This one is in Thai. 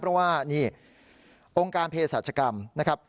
เพราะว่านี่องค์การเพศรัชกรรมนะครับ